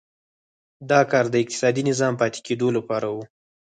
دا کار د اقتصادي نظام پاتې کېدو لپاره و.